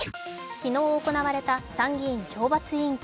昨日行われた参議院懲罰委員会。